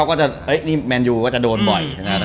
คนมันด้วยอย่างงี้